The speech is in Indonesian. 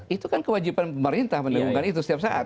itu kan kewajiban pemerintah mendengungkan itu setiap saat